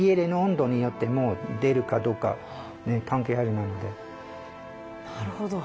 なるほど。